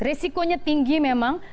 risikonya tinggi memang